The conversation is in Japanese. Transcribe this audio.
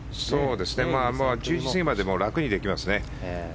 １０時過ぎまで楽にできますね。